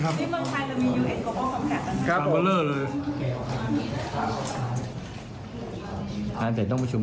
กะเพราใช่ไหมนะสิ้นคิดกะเพราเนื้อ